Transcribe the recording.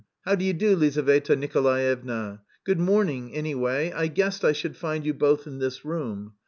"How do you do, Lizaveta Nikolaevna? Good morning, anyway. I guessed I should find you both in this room.